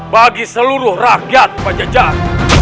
bagi seluruh rakyat pajajar